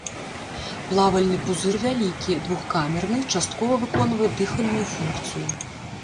Плавальны пузыр вялікі, двухкамерны, часткова выконвае дыхальную функцыю.